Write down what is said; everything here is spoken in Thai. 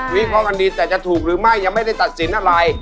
วิเคราะห์กันดีแต่จะถูกหรือไม่ยังไม่ได้ตัดสินอะไร